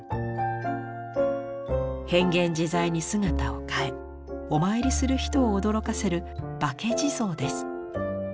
変幻自在に姿を変えお参りする人を驚かせる「化け地蔵」です。